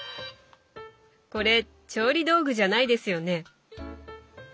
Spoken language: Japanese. これ調理道具じゃないですよね。